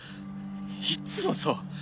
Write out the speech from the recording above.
いっつもそう。